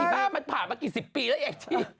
บ้ามันผ่านมากี่สิบปีแล้วเอกชี